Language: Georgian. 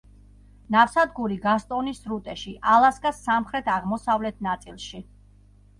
ნავსადგური გასტონის სრუტეში, ალასკის სამხრეთ-აღოსავლეთ ნაწილში.